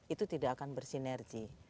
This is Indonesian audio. itu tidak akan bersinergi